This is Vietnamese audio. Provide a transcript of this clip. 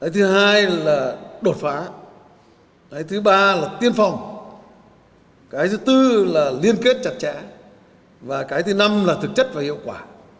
thứ ba là tiên phòng cái thứ tư là liên kết chặt chẽ và cái thứ năm là thực chất và hiệu quả